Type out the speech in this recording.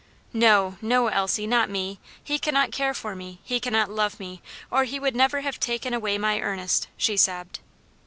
"No, no, Elsie! not me! He cannot care for me! He cannot love me, or he would never have taken away my Ernest," she sobbed.